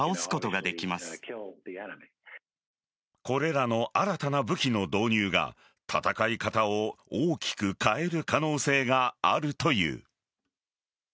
これらの新たな武器の導入が戦い方を大きく変える可能性があるという。